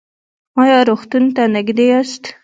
ایا روغتون ته نږدې یاست؟